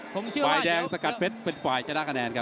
ไฟแดงสกัดเพชรเป็นไฟจะได้คะแนนครับ